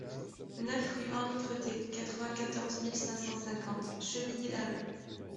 neuf rue Henri Cretté, quatre-vingt-quatorze mille cinq cent cinquante Chevilly-Larue